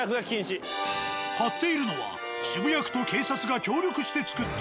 貼っているのは渋谷区と警察が協力して作った。